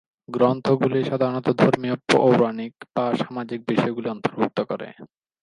গ্রন্থগুলি সাধারণত ধর্মীয়, পৌরাণিক বা সামাজিক বিষয়গুলি অন্তর্ভুক্ত করে।